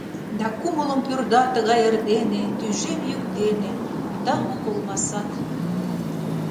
Да кумылым пӱрда тыгай эрдене Тӱжем йӱк дене тымык олма сад.